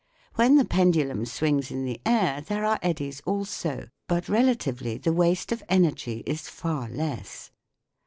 When the pendulum swings in the air there are eddies also, but relatively the waste of energy is far less.